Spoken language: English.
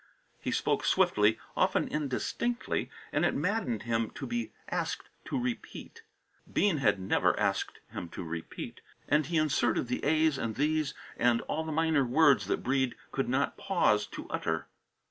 He spoke swiftly, often indistinctly, and it maddened him to be asked to repeat. Bean had never asked him to repeat, and he inserted the a's and the's and all the minor words that Breede could not pause to utter.